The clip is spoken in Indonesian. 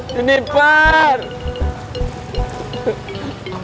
tukang rebut suami orang jalan